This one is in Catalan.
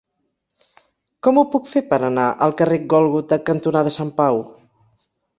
Com ho puc fer per anar al carrer Gòlgota cantonada Sant Pau?